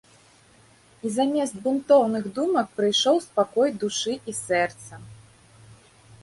І замест бунтоўных думак прыйшоў спакой душы і сэрца.